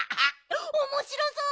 おもしろそう。